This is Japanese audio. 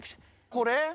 これ？